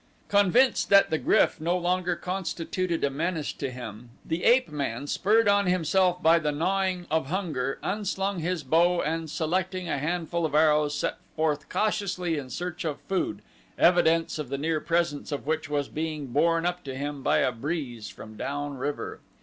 Convinced that the GRYF no longer constituted a menace to him the ape man, spurred on himself by the gnawing of hunger, unslung his bow and selecting a handful of arrows set forth cautiously in search of food, evidence of the near presence of which was being borne up to him by a breeze from down river.